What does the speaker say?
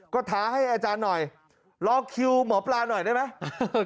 ก็ท้าให้อาจารย์หน่อยรอคิวหมอปลาหน่อยได้ไหม